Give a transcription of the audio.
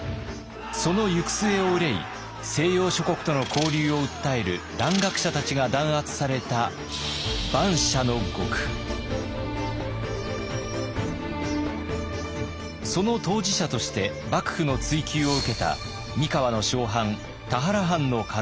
その行く末を憂い西洋諸国との交流を訴える蘭学者たちが弾圧されたその当事者として幕府の追及を受けた三河の小藩田原藩の家老。